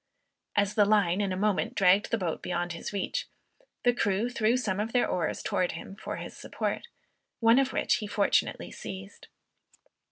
As the line in a moment dragged the boat beyond his reach, the crew threw some of their oars towards him for his support, one of which he fortunately seized.